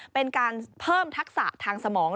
เป็นการเพิ่มทักษะทางสมอง